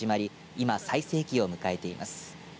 今、最盛期を迎えています。